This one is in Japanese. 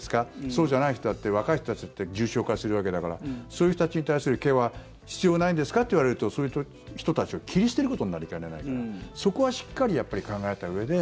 そうじゃない人だって若い人たちだって重症化するわけだからそういう人たちに対するケアは必要ないんですか？といわれるとそういう人たちを切り捨てることになりかねないからそこはしっかり考えたうえで。